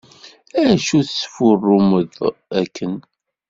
Acu tesfurrumeḍ akken?